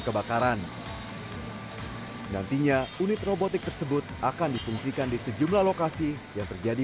kebakaran nantinya unit robotik tersebut akan difungsikan di sejumlah lokasi yang terjadi